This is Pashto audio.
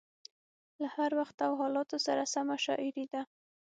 له هر وخت او حالاتو سره سمه شاعري ده.